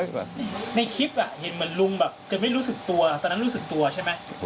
แบบในคลิปเห็นเหมือนลุงแบบจะไม่รู้สึกตัวตอนนั้นรู้สึกตัวใช่ไหม